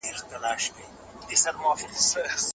ورزش کول باید ورځنی عمل وي.